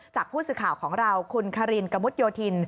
จากผู้สื่อข่าวของเราคุณคารินกระมุดโยธิน